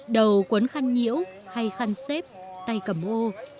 đầu quấn khăn nhiễu hay khăn xếp tay cầm ô